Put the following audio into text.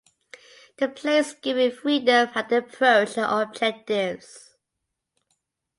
The player is given freedom how they approach their objectives.